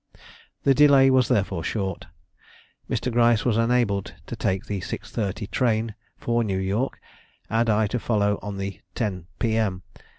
The delay was therefore short. Mr. Gryce was enabled to take the 6:30 train for New York, and I to follow on the 10 P.M.